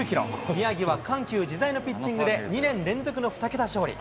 宮城は緩急自在のピッチングで、２年連続の２桁勝利。